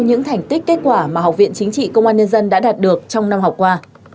những thành tích kết quả mà học viện chính trị công an nhân dân đã đạt được trong năm học qua